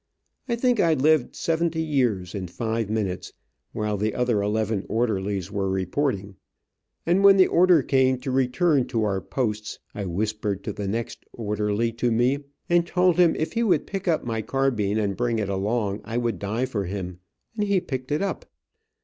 I think I lived seventy years in five minutes, while the other eleven orderlies were reporting, and when the order came to return to our posts, I whispered to the next orderly to me, and told him if he would pick up my carbine and bring it along, I would die for him, and he picked it up.